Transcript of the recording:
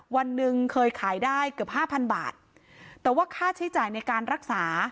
วันหนึ่งเคยขายได้เกือบห้าพันบาทแต่ว่าค่าใช้จ่ายในการรักษา